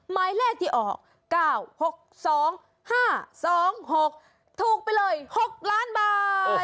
หมายเลขที่ออก๙๖๒๕๒๖ถูกไปเลย๖ล้านบาท